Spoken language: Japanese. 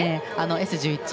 Ｓ１１